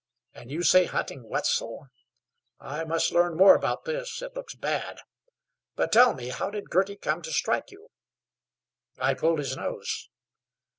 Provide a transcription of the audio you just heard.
And you say hunting Wetzel? I must learn more about this. It looks bad. But tell me, how did Girty come to strike you?" "I pulled his nose."